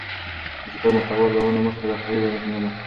د کتاب محتوا ارزونه مخکې له خرید مهمه ده.